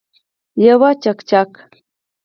یو چکچک